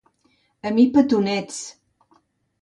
A mi, petonets!